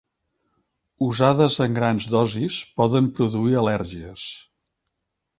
Usades en grans dosis poden produir al·lèrgies.